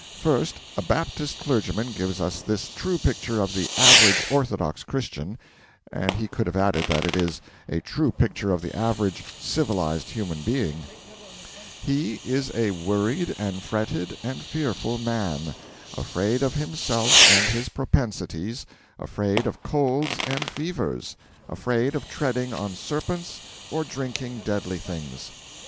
First, a Baptist clergyman gives us this true picture of 'the average orthodox Christian' and he could have added that it is a true picture of the average (civilised) human being: 'He is a worried and fretted and fearful man; afraid of himself and his propensities, afraid of colds and fevers, afraid of treading on serpents or drinking deadly things.'